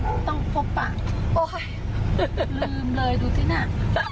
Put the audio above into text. ก็ต้องพบปากโอเคลืมเลยดูที่หน้า